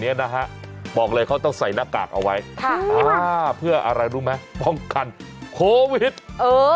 โอ้โหโอ้โหโอ้โหโอ้โหโอ้โหโอ้โหโอ้โหโอ้โห